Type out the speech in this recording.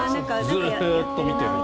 ずっと見ている。